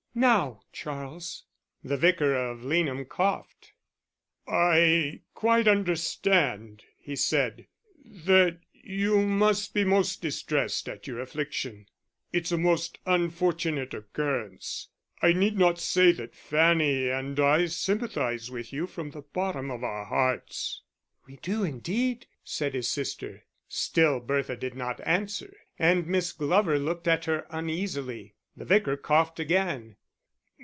Now, Charles." The Vicar of Leanham coughed. "I can quite understand," he said, "that you must be most distressed at your affliction. It's a most unfortunate occurrence. I need not say that Fanny and I sympathise with you from the bottom of our hearts." "We do indeed," said his sister. Still Bertha did not answer and Miss Glover looked at her uneasily. The Vicar coughed again.